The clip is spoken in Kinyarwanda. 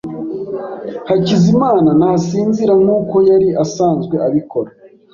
Hakizimana ntasinzira nkuko yari asanzwe abikora.